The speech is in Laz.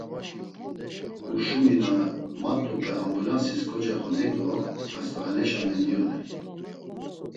K̆uşumi na mat̆upe ambulansis kocoxuney do xast̆axaneşa mendioney.